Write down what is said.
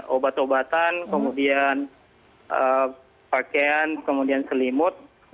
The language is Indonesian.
obat obatan kemudian pakaian kemudian selimut